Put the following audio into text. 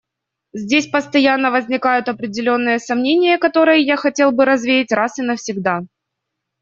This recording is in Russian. Здесь постоянно возникают определенные сомнения, которые я хотел бы развеять раз и навсегда.